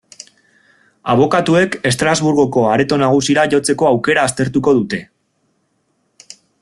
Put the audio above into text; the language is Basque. Abokatuek Estrasburgoko Areto Nagusira jotzeko aukera aztertuko dute.